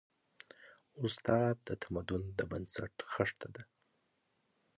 استاد د تمدن د بنسټ خښته ده.